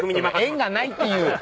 縁がないっていう。